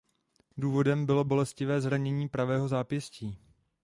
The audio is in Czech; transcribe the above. Důvodem bylo bolestivé zranění pravého zápěstí.